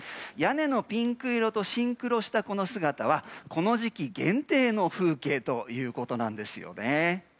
屋根のピンク色とシンクロしたこの姿はこの時期限定の風景ということなんですよね。